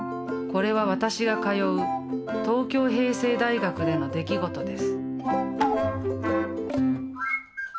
これは私が通う東京平成大学での出来事です。